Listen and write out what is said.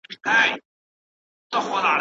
استاد وویل چي هغه خپلو زده کړو ته لېوالتیا لري.